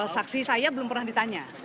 saksi saya belum pernah ditanya